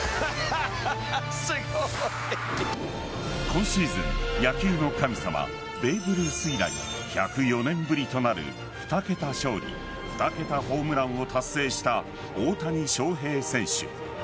今シーズン、野球の神様ベーブ・ルース以来１０４年ぶりとなる２桁勝利、２桁ホームランを達成した大谷翔平選手。